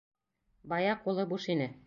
Бая ҡулы буш ине.